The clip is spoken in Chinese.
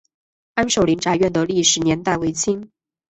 安寿林宅院的历史年代为清。